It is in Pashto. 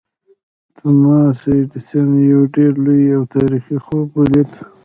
توماس ایډېسن یو ډېر لوی او تاریخي خوب ولید